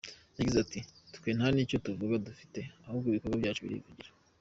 Yagize ati “ Twe nta n’icyo kuvuga dufite ahubwo ibikorwa byacu birivugira.